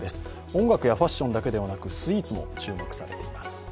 音楽やファッションだけでなくスイーツも注目されています。